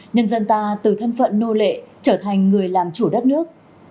nhân dân ta từ thân phận nô lệ trở thành người làm chủ đất nước